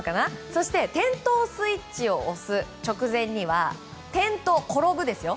そして点灯スイッチを押す直前には転倒、転ぶですよ。